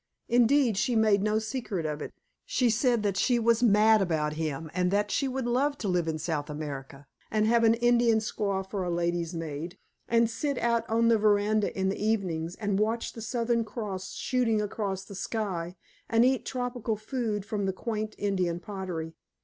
Indeed, she made no secret of it; she said that she was mad about him, and that she would love to live in South America, and have an Indian squaw for a lady's maid, and sit out on the veranda in the evenings and watch the Southern Cross shooting across the sky, and eat tropical food from the quaint Indian pottery.